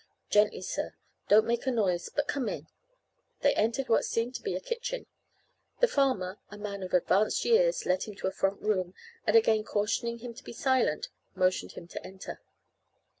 "Gently, sir, don't make a noise but come in." They entered what seemed to be a kitchen. The farmer, a man of advanced years, led him to a front room, and again cautioning him to be silent, motioned him to enter.